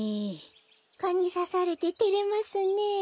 カにさされててれますねえ。